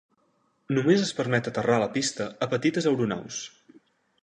Només es permet aterrar a la pista a petites aeronaus.